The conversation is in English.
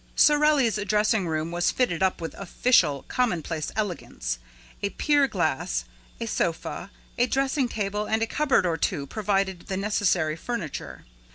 Sorelli's dressing room was fitted up with official, commonplace elegance. A pier glass, a sofa, a dressing table and a cupboard or two provided the necessary furniture.